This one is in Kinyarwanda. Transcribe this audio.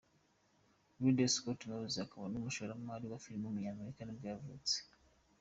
Ridley Scott, umuyobozi akaba n’umushoramari wa filime w’umunyamerika nibwo yavutse.